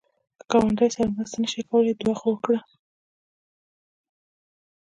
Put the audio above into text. که ګاونډي سره مرسته نشې کولای، دعا خو وکړه